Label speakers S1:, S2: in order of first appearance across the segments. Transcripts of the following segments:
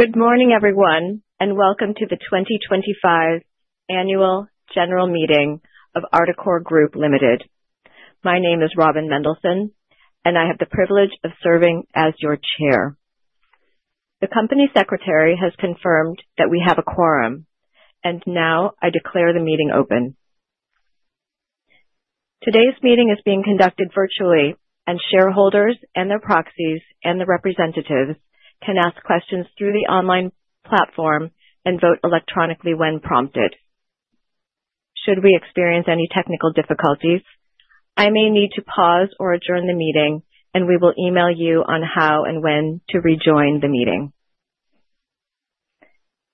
S1: Good morning, everyone, and welcome to the 2025 Annual General Meeting of Articore Group Limited. My name is Robin Mendelson, and I have the privilege of serving as your Chair. The Company Secretary has confirmed that we have a quorum, and now I declare the meeting open. Today's meeting is being conducted virtually, and shareholders and their proxies and the representatives can ask questions through the online platform and vote electronically when prompted. Should we experience any technical difficulties, I may need to pause or adjourn the meeting, and we will email you on how and when to rejoin the meeting.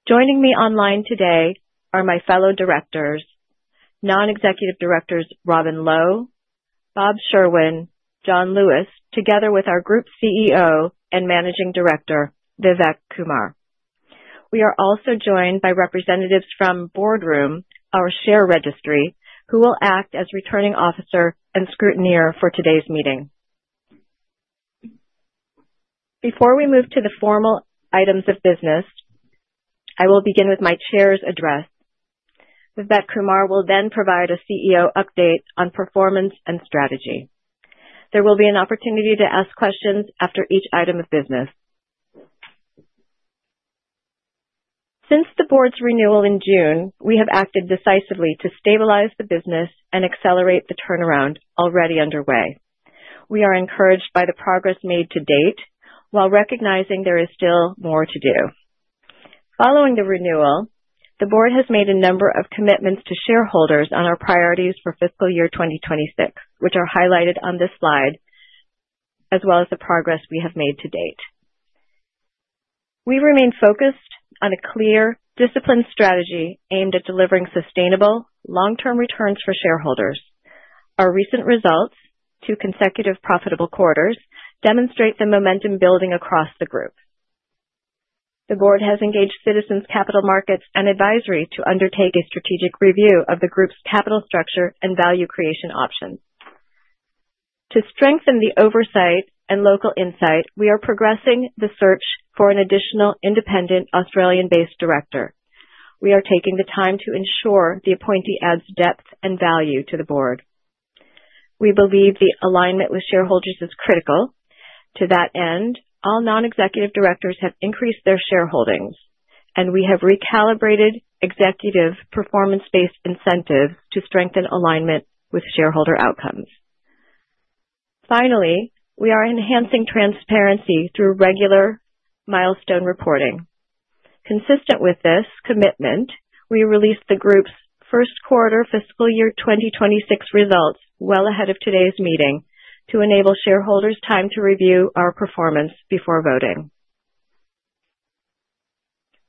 S1: Joining me online today are my fellow directors, Non-Executive Directors Robin Low, Robert Sherwin, John Lewis, together with our Group CEO and Managing Director Vivek Kumar. We are also joined by representatives from Boardroom, our share registry, who will act as Returning Officer and Scrutineer for today's meeting. Before we move to the formal items of business, I will begin with my Chair's address. Vivek Kumar will then provide a CEO update on performance and strategy. There will be an opportunity to ask questions after each item of business. Since the Board's renewal in June, we have acted decisively to stabilize the business and accelerate the turnaround already underway. We are encouraged by the progress made to date, while recognizing there is still more to do. Following the renewal, the Board has made a number of commitments to shareholders on our priorities for fiscal year 2026, which are highlighted on this slide, as well as the progress we have made to date. We remain focused on a clear, disciplined strategy aimed at delivering sustainable, long-term returns for shareholders. Our recent results, two consecutive profitable quarters, demonstrate the momentum building across the group. The Board has engaged Citizens Capital Markets and Advisory to undertake a strategic review of the group's capital structure and value creation options. To strengthen the oversight and local insight, we are progressing the search for an additional independent Australian-based director. We are taking the time to ensure the appointee adds depth and value to the Board. We believe the alignment with shareholders is critical. To that end, all Non-Executive Directors have increased their shareholdings, and we have recalibrated executive performance-based incentives to strengthen alignment with shareholder outcomes. Finally, we are enhancing transparency through regular milestone reporting. Consistent with this commitment, we released the group's first quarter fiscal year 2026 results well ahead of today's meeting to enable shareholders' time to review our performance before voting.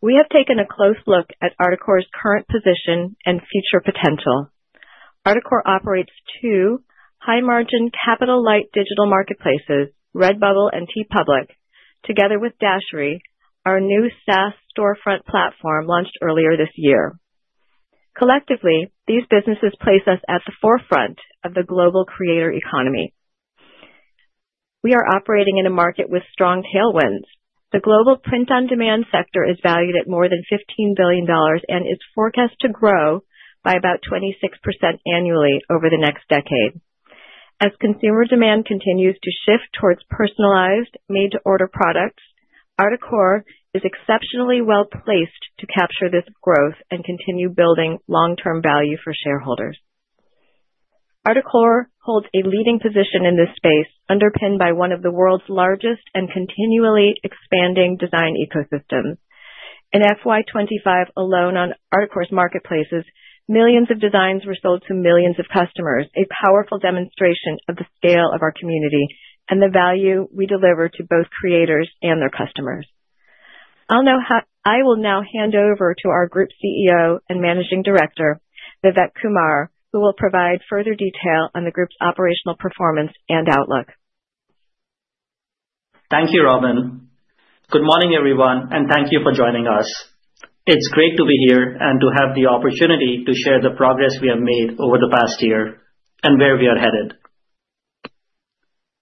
S1: We have taken a close look at Articore's current position and future potential. Articore operates two high-margin capital-light digital marketplaces, Redbubble and TeePublic, together with Dashry, our new SaaS storefront platform launched earlier this year. Collectively, these businesses place us at the forefront of the global creator economy. We are operating in a market with strong tailwinds. The global print-on-demand sector is valued at more than $15 billion and is forecast to grow by about 26% annually over the next decade. As consumer demand continues to shift towards personalized made-to-order products, Articore is exceptionally well placed to capture this growth and continue building long-term value for shareholders. Articore holds a leading position in this space, underpinned by one of the world's largest and continually expanding design ecosystems. In FY2025 alone on Articore's marketplaces, millions of designs were sold to millions of customers, a powerful demonstration of the scale of our community and the value we deliver to both creators and their customers. I will now hand over to our Group CEO and Managing Director, Vivek Kumar, who will provide further detail on the group's operational performance and outlook.
S2: Thank you, Robin. Good morning, everyone, and thank you for joining us. It's great to be here and to have the opportunity to share the progress we have made over the past year and where we are headed.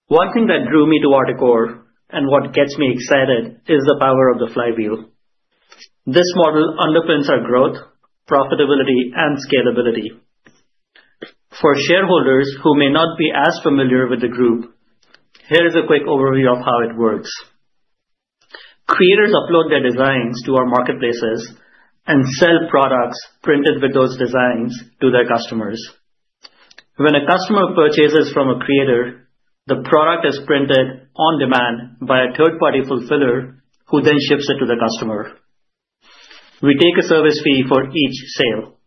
S2: One thing that drew me to Articore and what gets me excited is the power of the flywheel. This model underpins our growth, profitability, and scalability. For shareholders who may not be as familiar with the group, here is a quick overview of how it works. Creators upload their designs to our marketplaces and sell products printed with those designs to their customers. When a customer purchases from a creator, the product is printed on demand by a third-party fulfiller who then ships it to the customer. We take a service fee for each sale.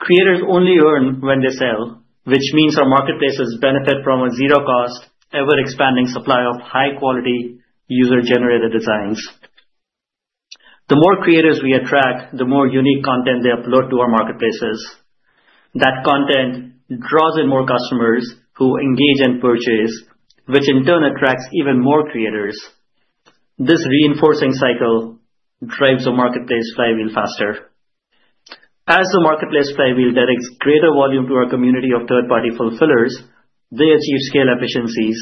S2: Creators only earn when they sell, which means our marketplaces benefit from a zero-cost, ever-expanding supply of high-quality user-generated designs. The more creators we attract, the more unique content they upload to our marketplaces. That content draws in more customers who engage and purchase, which in turn attracts even more creators. This reinforcing cycle drives the marketplace flywheel faster. As the marketplace flywheel directs greater volume to our community of third-party fulfillers, they achieve scale efficiencies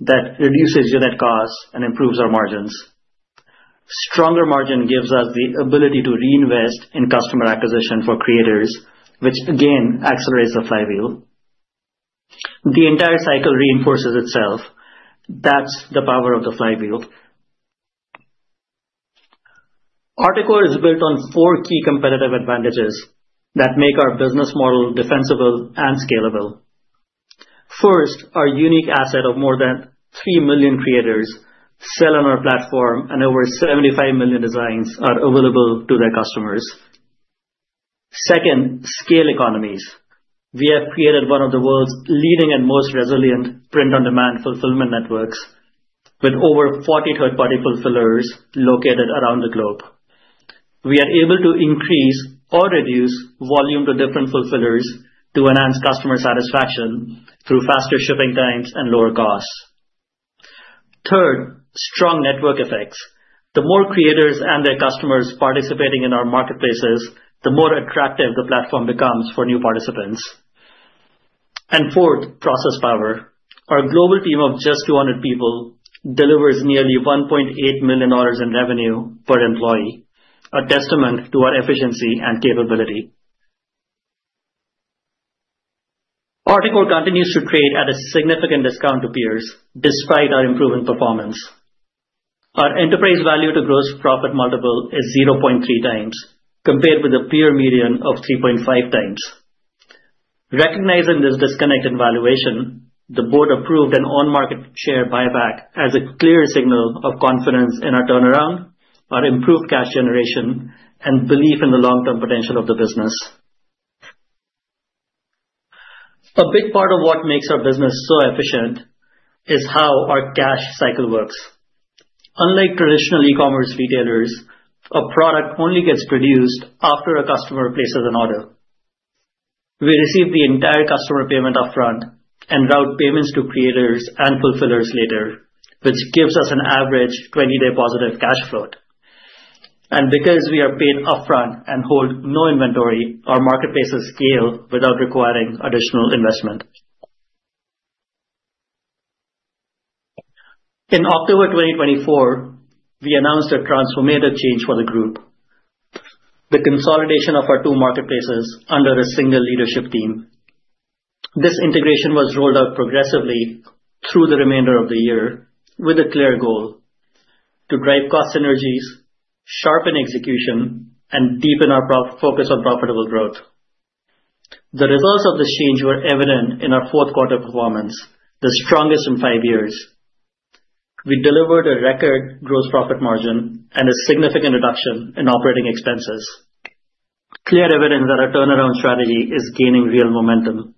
S2: that reduce unit costs and improve our margins. Stronger margin gives us the ability to reinvest in customer acquisition for creators, which again accelerates the flywheel. The entire cycle reinforces itself. That's the power of the flywheel. Articore is built on four key competitive advantages that make our business model defensible and scalable. First, our unique asset of more than 3 million creators sell on our platform, and over 75 million designs are available to their customers. Second, scale economies. We have created one of the world's leading and most resilient print-on-demand fulfillment networks with over 40 third-party fulfillers located around the globe. We are able to increase or reduce volume to different fulfillers to enhance customer satisfaction through faster shipping times and lower costs. Third, strong network effects. The more creators and their customers participating in our marketplaces, the more attractive the platform becomes for new participants. Fourth, process power. Our global team of just 200 people delivers nearly $1.8 million in revenue per employee, a testament to our efficiency and capability. Articore continues to trade at a significant discount to peers despite our improving performance. Our enterprise value-to-gross profit multiple is 0.3 times compared with the peer median of 3.5x. Recognizing this disconnect in valuation, the board approved an on-market share buyback as a clear signal of confidence in our turnaround, our improved cash generation, and belief in the long-term potential of the business. A big part of what makes our business so efficient is how our cash cycle works. Unlike traditional e-commerce retailers, a product only gets produced after a customer places an order. We receive the entire customer payment upfront and route payments to creators and fulfillers later, which gives us an average 20-day positive cash flow. Because we are paid upfront and hold no inventory, our marketplaces scale without requiring additional investment. In October 2024, we announced a transformative change for the group: the consolidation of our two marketplaces under a single leadership team. This integration was rolled out progressively through the remainder of the year with a clear goal to drive cost synergies, sharpen execution, and deepen our focus on profitable growth. The results of this change were evident in our fourth quarter performance, the strongest in five years. We delivered a record gross profit margin and a significant reduction in operating expenses, clear evidence that our turnaround strategy is gaining real momentum.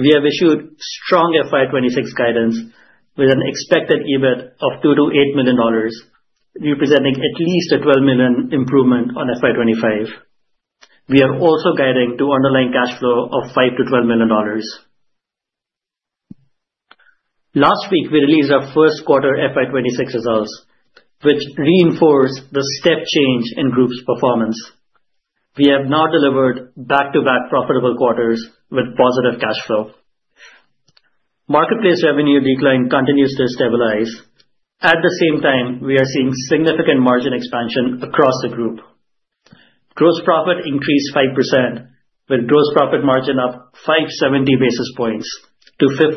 S2: We have issued strong FY2026 guidance with an expected EBIT of $2 million-$8 million, representing at least a $12 million improvement on FY2025. We are also guiding to underlying cash flow of $5 million to $12 million. Last week, we released our first quarter FY2026 results, which reinforced the step change in group's performance. We have now delivered back-to-back profitable quarters with positive cash flow. Marketplace revenue decline continues to stabilize. At the same time, we are seeing significant margin expansion across the group. Gross profit increased 5%, with gross profit margin up 570 basis points to 50.6%.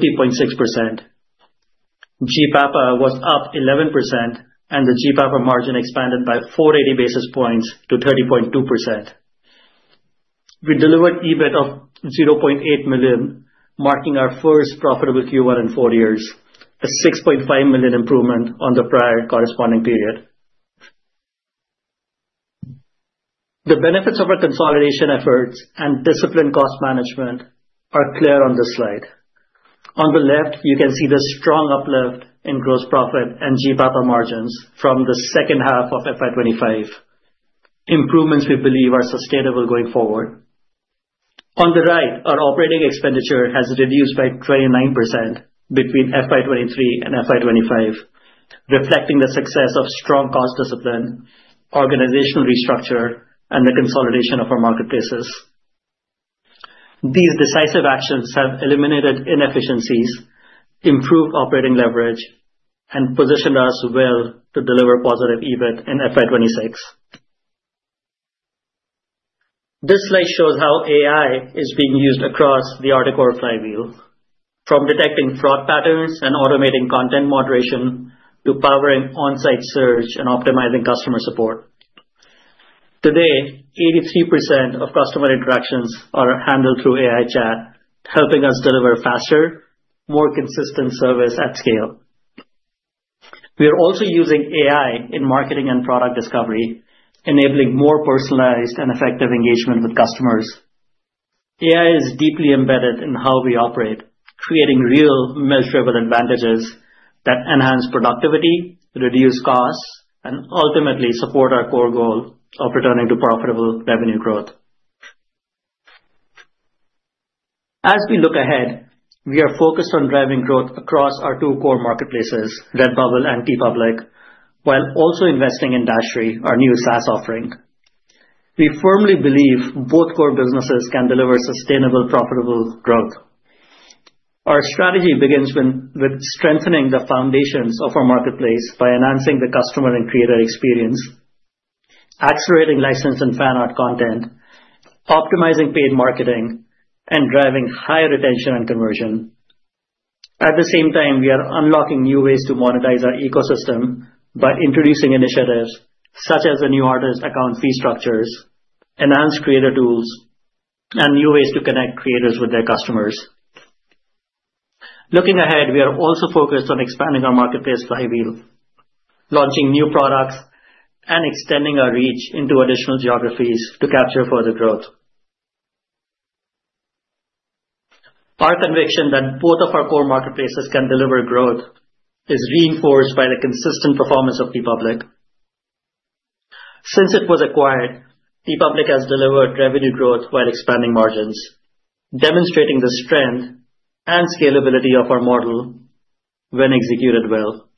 S2: GPAPA was up 11%, and the GPAPA margin expanded by 480 basis points to 30.2%. We delivered EBIT of $0.8 million, marking our first profitable Q1 in four years, a $6.5 million improvement on the prior corresponding period. The benefits of our consolidation efforts and disciplined cost management are clear on this slide. On the left, you can see the strong uplift in gross profit and GPAPA margins from the second half of FY2025, improvements we believe are sustainable going forward. On the right, our operating expenditure has reduced by 29% between FY2023 and FY2025, reflecting the success of strong cost discipline, organizational restructure, and the consolidation of our marketplaces. These decisive actions have eliminated inefficiencies, improved operating leverage, and positioned us well to deliver positive EBIT in FY2026. This slide shows how AI is being used across the Articore flywheel, from detecting fraud patterns and automating content moderation to powering on-site search and optimizing customer support. Today, 83% of customer interactions are handled through AI chat, helping us deliver faster, more consistent service at scale. We are also using AI in marketing and product discovery, enabling more personalized and effective engagement with customers. AI is deeply embedded in how we operate, creating real measurable advantages that enhance productivity, reduce costs, and ultimately support our core goal of returning to profitable revenue growth. As we look ahead, we are focused on driving growth across our two core marketplaces, Redbubble and TeePublic, while also investing in Dashry, our new SaaS offering. We firmly believe both core businesses can deliver sustainable, profitable growth. Our strategy begins with strengthening the foundations of our marketplace by enhancing the customer and creator experience, accelerating license and fan art content, optimizing paid marketing, and driving higher retention and conversion. At the same time, we are unlocking new ways to monetize our ecosystem by introducing initiatives such as the new artist account fee structures, enhanced creator tools, and new ways to connect creators with their customers. Looking ahead, we are also focused on expanding our marketplace flywheel, launching new products, and extending our reach into additional geographies to capture further growth. Our conviction that both of our core marketplaces can deliver growth is reinforced by the consistent performance of TeePublic. Since it was acquired, TeePublic has delivered revenue growth while expanding margins, demonstrating the strength and scalability of our model when executed well.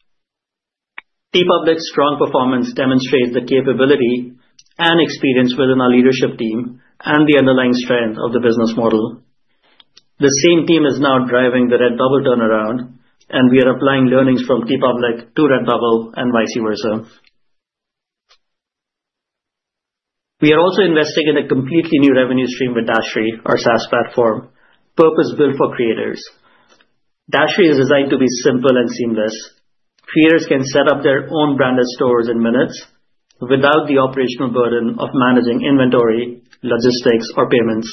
S2: TeePublic's strong performance demonstrates the capability and experience within our leadership team and the underlying strength of the business model. The same team is now driving the Redbubble turnaround, and we are applying learnings from TeePublic to Redbubble and vice versa. We are also investing in a completely new revenue stream with Dashry, our SaaS platform, purpose-built for creators. Dashry is designed to be simple and seamless. Creators can set up their own branded stores in minutes without the operational burden of managing inventory, logistics, or payments.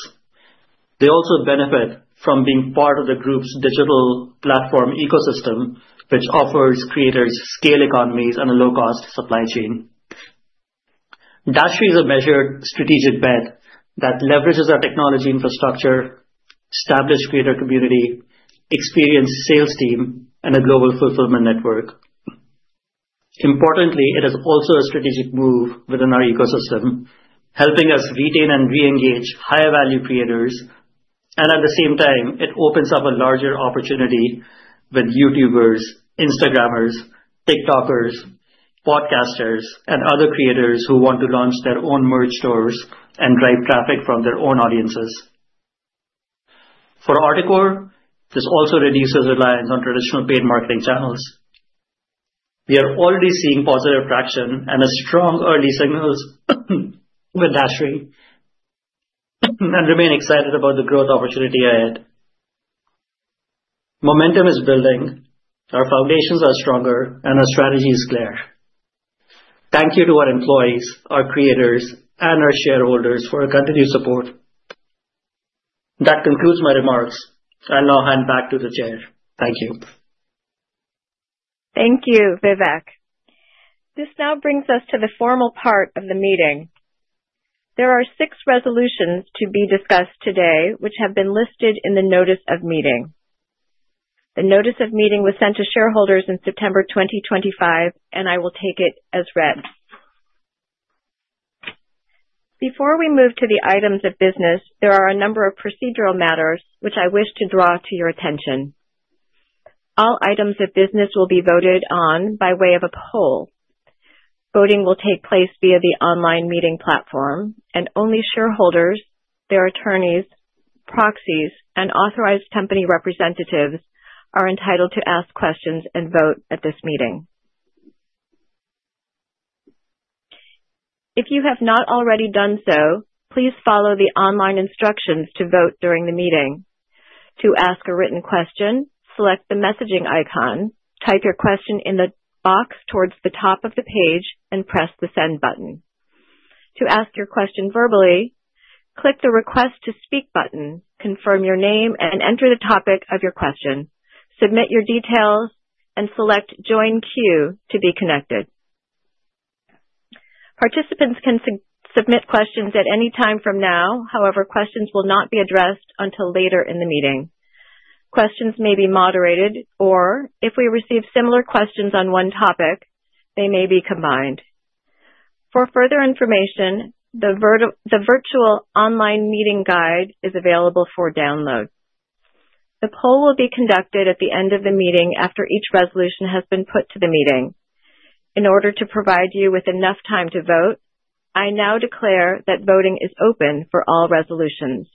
S2: They also benefit from being part of the group's digital platform ecosystem, which offers creators scale economies and a low-cost supply chain. Dashry is a measured strategic bet that leverages our technology infrastructure, established creator community, experienced sales team, and a global fulfillment network. Importantly, it is also a strategic move within our ecosystem, helping us retain and re-engage high-value creators. At the same time, it opens up a larger opportunity with YouTubers, Instagrammers, TikTokers, podcasters, and other creators who want to launch their own merch stores and drive traffic from their own audiences. For Articore, this also reduces reliance on traditional paid marketing channels. We are already seeing positive traction and a strong early signal with Dashry and remain excited about the growth opportunity ahead. Momentum is building, our foundations are stronger, and our strategy is clear. Thank you to our employees, our creators, and our shareholders for your continued support. That concludes my remarks. I'll now hand back to the Chair. Thank you.
S1: Thank you, Vivek. This now brings us to the formal part of the meeting. There are six resolutions to be discussed today, which have been listed in the notice of meeting. The notice of meeting was sent to shareholders in September 2025, and I will take it as read. Before we move to the items of business, there are a number of procedural matters which I wish to draw to your attention. All items of business will be voted on by way of a poll. Voting will take place via the online meeting platform, and only shareholders, their attorneys, proxies, and authorized company representatives are entitled to ask questions and vote at this meeting. If you have not already done so, please follow the online instructions to vote during the meeting. To ask a written question, select the messaging icon, type your question in the box towards the top of the page, and press the send button. To ask your question verbally, click the request to speak button, confirm your name, and enter the topic of your question. Submit your details and select join queue to be connected. Participants can submit questions at any time from now. However, questions will not be addressed until later in the meeting. Questions may be moderated, or if we receive similar questions on one topic, they may be combined. For further information, the virtual online meeting guide is available for download. The poll will be conducted at the end of the meeting after each resolution has been put to the meeting. In order to provide you with enough time to vote, I now declare that voting is open for all resolutions.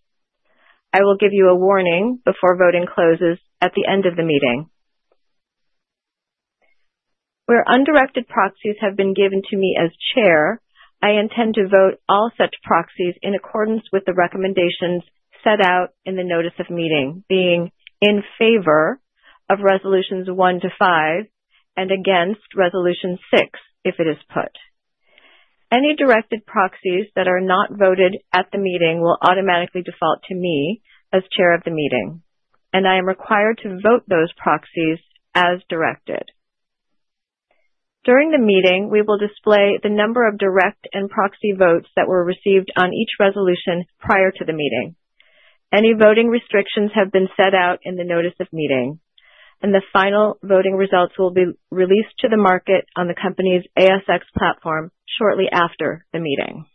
S1: I will give you a warning before voting closes at the end of the meeting. Where undirected proxies have been given to me as Chair, I intend to vote all such proxies in accordance with the recommendations set out in the notice of meeting, being in favor of resolutions one to five and against resolution six if it is put. Any directed proxies that are not voted at the meeting will automatically default to me as Chair of the meeting, and I am required to vote those proxies as directed. During the meeting, we will display the number of direct and proxy votes that were received on each resolution prior to the meeting. Any voting restrictions have been set out in the notice of meeting, and the final voting results will be released to the market on the company's ASX platform shortly after the meeting.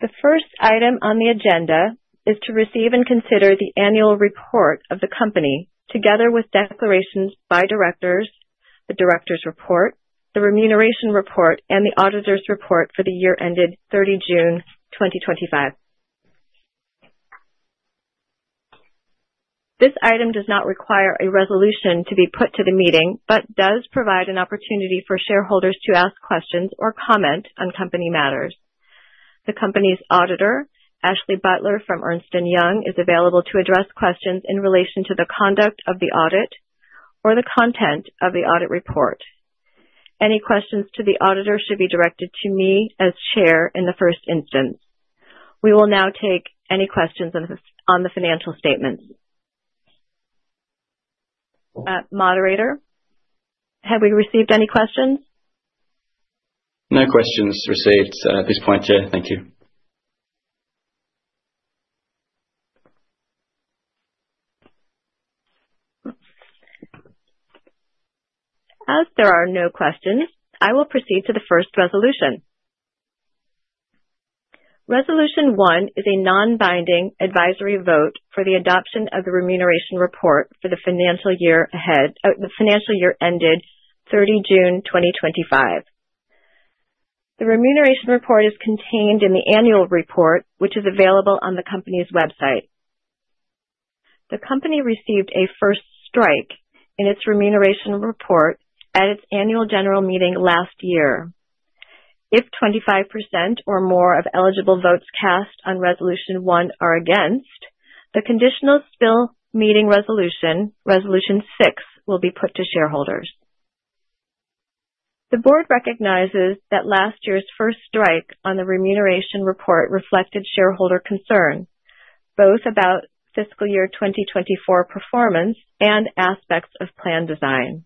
S1: The first item on the agenda is to receive and consider the annual report of the company together with declarations by directors, the directors' report, the remuneration report, and the auditor's report for the year ended 30 June 2025. This item does not require a resolution to be put to the meeting but does provide an opportunity for shareholders to ask questions or comment on company matters. The company's auditor, Ashley Butler from Ernst & Young, is available to address questions in relation to the conduct of the audit or the content of the audit report. Any questions to the auditor should be directed to me as Chair in the first instance. We will now take any questions on the financial statements. Moderator, have we received any questions?
S3: No questions received at this point, Chair. Thank you.
S1: As there are no questions, I will proceed to the first resolution. Resolution one is a non-binding advisory vote for the adoption of the remuneration report for the financial year ahead, the financial year ended 30 June 2025. The remuneration report is contained in the annual report, which is available on the company's website. The company received a first strike in its remuneration report at its annual general meeting last year. If 25% or more of eligible votes cast on resolution one are against, the conditional still meeting resolution, resolution six, will be put to shareholders. The board recognizes that last year's first strike on the remuneration report reflected shareholder concern, both about fiscal year 2024 performance and aspects of plan design.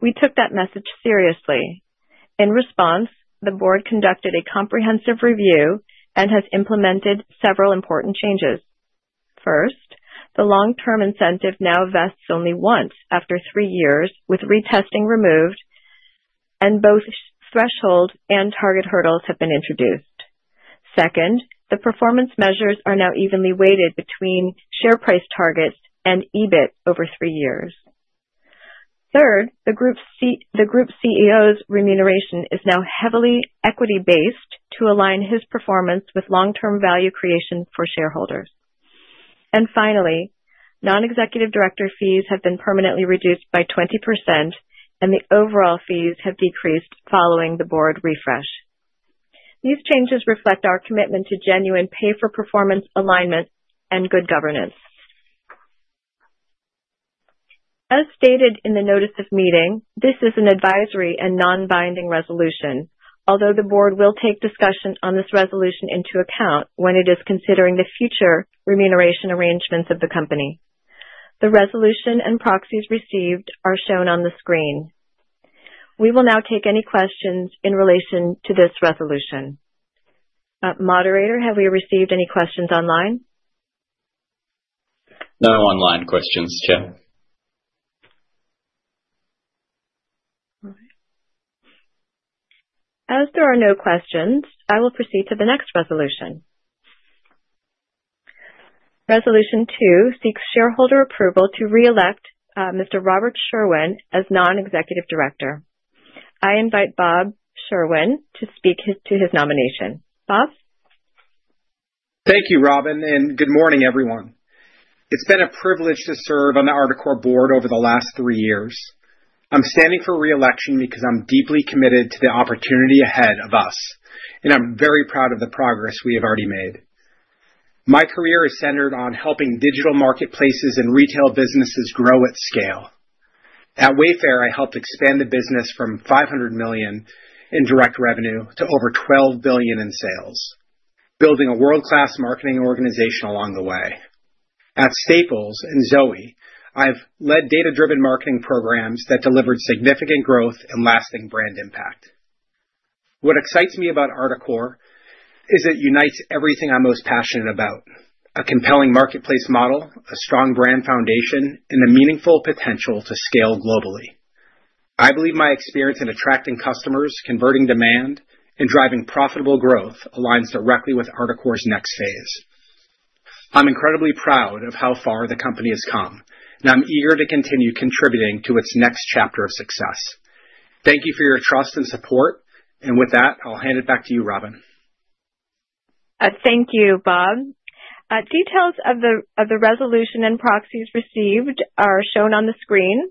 S1: We took that message seriously. In response, the board conducted a comprehensive review and has implemented several important changes. First, the long-term incentive now vests only once after three years, with retesting removed, and both threshold and target hurdles have been introduced. Second, the performance measures are now evenly weighted between share price targets and EBIT over three years. Third, the Group CEO's remuneration is now heavily equity-based to align his performance with long-term value creation for shareholders. Finally, non-executive director fees have been permanently reduced by 20%, and the overall fees have decreased following the board refresh. These changes reflect our commitment to genuine pay-for-performance alignment and good governance. As stated in the notice of meeting, this is an advisory and non-binding resolution, although the board will take discussion on this resolution into account when it is considering the future remuneration arrangements of the company. The resolution and proxies received are shown on the screen. We will now take any questions in relation to this resolution. Moderator, have we received any questions online?
S3: No online questions, Chair.
S1: All right. As there are no questions, I will proceed to the next resolution. Resolution two seeks shareholder approval to re-elect Mr. Robert Sherwin as Non-Executive Director. I invite Bob Sherwin to speak to his nomination. Bob?
S4: Thank you, Robin, and good morning, everyone. It's been a privilege to serve on the Articore board over the last three years. I'm standing for re-election because I'm deeply committed to the opportunity ahead of us, and I'm very proud of the progress we have already made. My career is centered on helping digital marketplaces and retail businesses grow at scale. At Wayfair, I helped expand the business from $500 million in direct revenue to over $12 billion in sales, building a world-class marketing organization along the way. At Staples and Zoe, I've led data-driven marketing programs that delivered significant growth and lasting brand impact. What excites me about Articore is it unites everything I'm most passionate about: a compelling marketplace model, a strong brand foundation, and a meaningful potential to scale globally. I believe my experience in attracting customers, converting demand, and driving profitable growth aligns directly with Articore's next phase. I'm incredibly proud of how far the company has come, and I'm eager to continue contributing to its next chapter of success. Thank you for your trust and support. I'll hand it back to you, Robin.
S1: Thank you, Bob. Details of the resolution and proxies received are shown on the screen.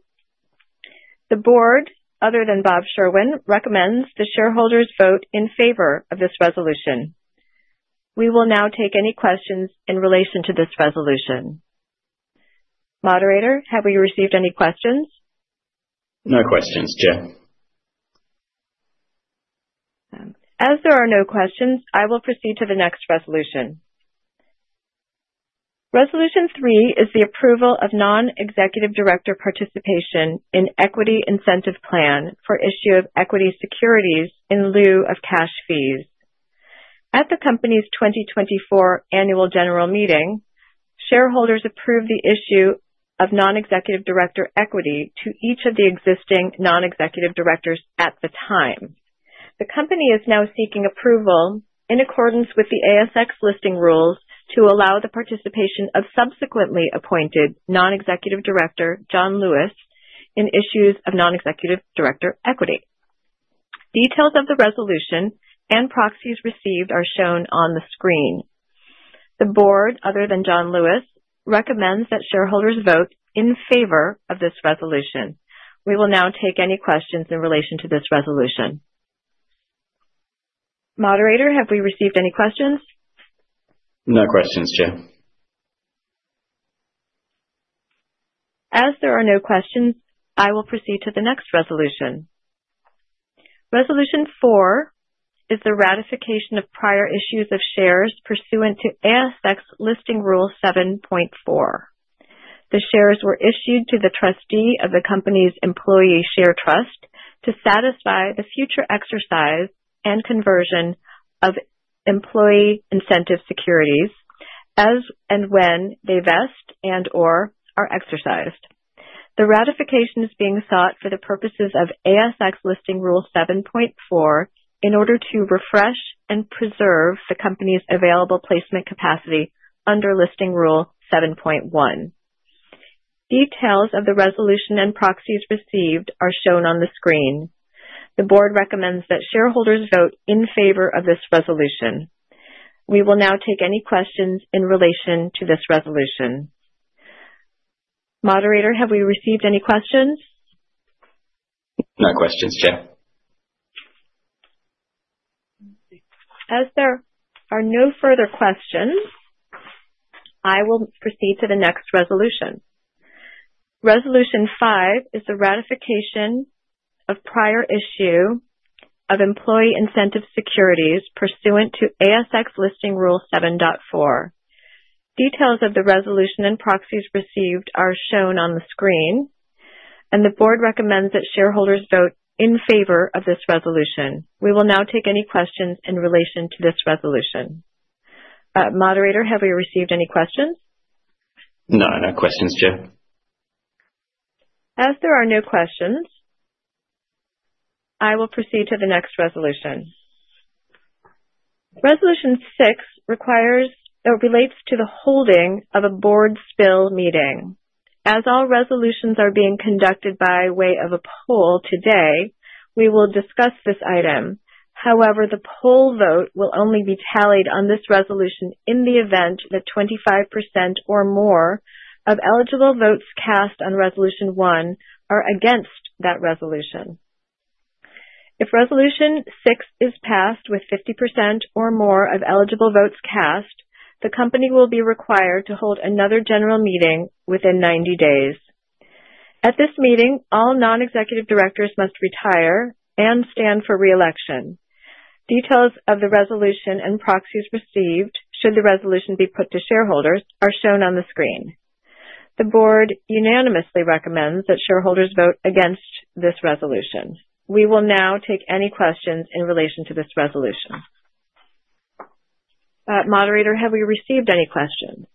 S1: The Board, other than Bob Sherwin, recommends the shareholders vote in favor of this resolution. We will now take any questions in relation to this resolution. Moderator, have we received any questions?
S3: No questions, Chair.
S1: As there are no questions, I will proceed to the next resolution. Resolution three is the approval of Non-Executive Director participation in equity incentive plan for issue of equity securities in lieu of cash fees. At the company's 2024 Annual General Meeting, shareholders approved the issue of Non-Executive Director equity to each of the existing Non-Executive Directors at the time. The company is now seeking approval in accordance with the ASX listing rules to allow the participation of subsequently appointed Non-Executive Director, John Lewis, in issues of Non-Executive Director equity. Details of the resolution and proxies received are shown on the screen. The Board, other than John Lewis, recommends that shareholders vote in favor of this resolution. We will now take any questions in relation to this resolution. Moderator, have we received any questions?
S3: No questions, Chair.
S1: As there are no questions, I will proceed to the next resolution. Resolution four is the ratification of prior issues of shares pursuant to ASX Listing Rule 7.4. The shares were issued to the trustee of the company's employee share trust to satisfy the future exercise and conversion of employee incentive securities as and when they vest and/or are exercised. The ratification is being sought for the purposes of ASX Listing Rule 7.4 in order to refresh and preserve the company's available placement capacity under Listing Rule 7.1. Details of the resolution and proxies received are shown on the screen. The Board recommends that shareholders vote in favor of this resolution. We will now take any questions in relation to this resolution. Moderator, have we received any questions?
S3: No questions, Chair.
S1: As there are no further questions, I will proceed to the next resolution. Resolution five is the ratification of prior issue of employee incentive securities pursuant to ASX Listing Rule 7.4. Details of the resolution and proxies received are shown on the screen, and the Board recommends that shareholders vote in favor of this resolution. We will now take any questions in relation to this resolution. Moderator, have we received any questions?
S3: No, no questions, sir.
S1: As there are no questions, I will proceed to the next resolution. Resolution six relates to the holding of a board spill meeting. As all resolutions are being conducted by way of a poll today, we will discuss this item. However, the poll vote will only be tallied on this resolution in the event that 25% or more of eligible votes cast on resolution one are against that resolution. If resolution six is passed with 50% or more of eligible votes cast, the company will be required to hold another general meeting within 90 days. At this meeting, all non-executive directors must retire and stand for re-election. Details of the resolution and proxies received, should the resolution be put to shareholders, are shown on the screen. The Board unanimously recommends that shareholders vote against this resolution. We will now take any questions in relation to this resolution. Moderator, have we received any questions?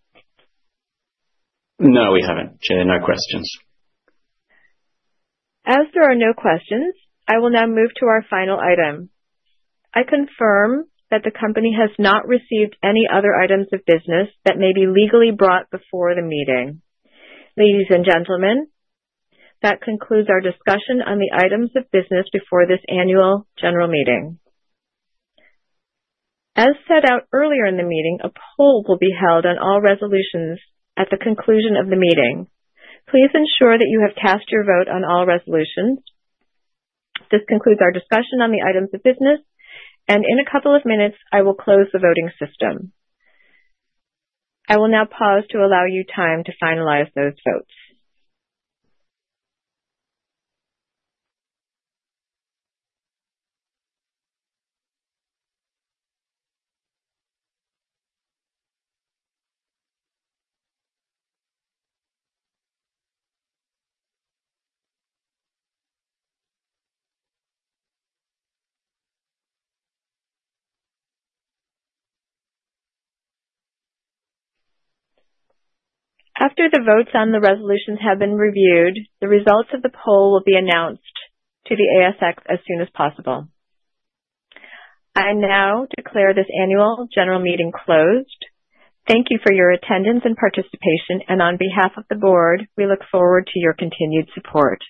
S3: No, we haven't, Chair. No questions.
S1: As there are no questions, I will now move to our final item. I confirm that the company has not received any other items of business that may be legally brought before the meeting. Ladies and gentlemen, that concludes our discussion on the items of business before this annual general meeting. As set out earlier in the meeting, a poll will be held on all resolutions at the conclusion of the meeting. Please ensure that you have cast your vote on all resolutions. This concludes our discussion on the items of business, and in a couple of minutes, I will close the voting system. I will now pause to allow you time to finalize those votes. After the votes on the resolutions have been reviewed, the results of the poll will be announced to the ASX as soon as possible. I now declare this annual general meeting closed. Thank you for your attendance and participation, and on behalf of the board, we look forward to your continued support.